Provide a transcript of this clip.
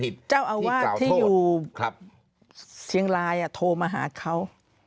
เจ้าอาวาสที่อยู่เชียงรายโทรมาหาเขา